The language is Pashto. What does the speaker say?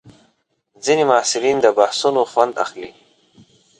ځینې محصلین د بحثونو خوند اخلي.